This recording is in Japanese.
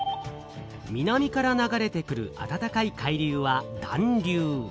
南から流れてくるあたたかい海流は「暖流」。